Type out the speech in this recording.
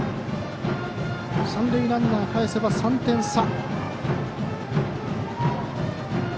三塁ランナーかえせば３点差。